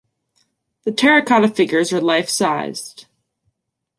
The terracotta figures are life-sized.